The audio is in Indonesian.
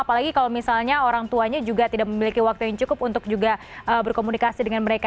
apalagi kalau misalnya orang tuanya juga tidak memiliki waktu yang cukup untuk juga berkomunikasi dengan mereka